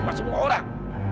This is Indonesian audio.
ma semua orang